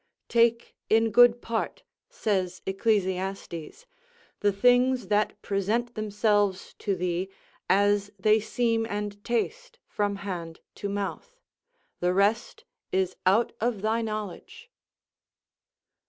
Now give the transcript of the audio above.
"Take in good part," says Ecclesiastes, "the things that present themselves to thee, as they seem and taste from hand to mouth; the rest is out of thy knowledge."